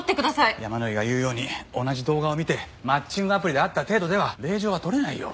山野井が言うように同じ動画を見てマッチングアプリで会った程度では令状は取れないよ。